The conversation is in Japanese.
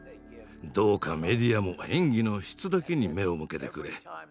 どうかメディアも演技の「質」だけに目を向けてくれ。